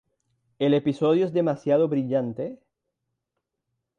El episodio es demasiado brillante.